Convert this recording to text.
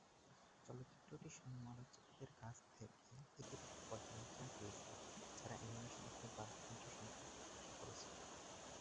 চলচ্চিত্রটি সমালোচকদের কাছ থেকে ইতিবাচক পর্যালোচনা পেয়েছিল, যারা অ্যানিমেশন এবং বাদ্যযন্ত্র সংখ্যার প্রশংসা করেছিল।